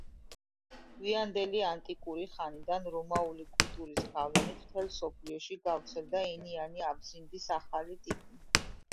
გვიანდელი ანტიკური ხანიდან რომაული კულტურის გავლენით მთელ მსოფლიოში გავრცელდა ენიანი აბზინდის ახალი ტიპი.